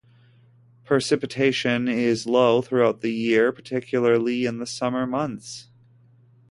Precipitation is low throughout the year, particularly in the summer months.